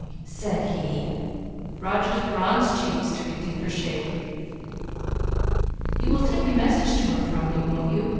said he. Roger's bronzed cheeks took a deeper shade. "You will take a message to her from me, won't you?